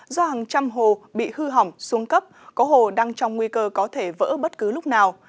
do hàng trăm hồ bị hư hỏng xuống cấp có hồ đang trong nguy cơ có thể vỡ bất cứ lúc nào